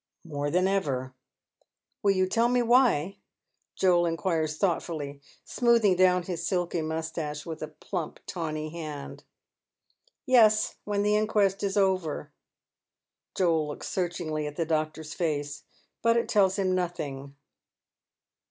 *' More than ever." •' Will you tell me why ?" Joel inquires thoughtfully, smooth ing down his silky moustache with a plump taivny hand. " Yes, when the inquest is over." Joel looks searchingly at the doctor's face, but it tells him nothing.